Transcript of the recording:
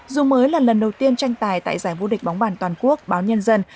dù mới là lần đầu tiên tranh tài tại giải vô địch bóng bàn toàn quốc báo nhân dân